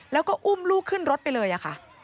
แล้วก็อุ้มลูกขึ้นรถไปเลยค่ะ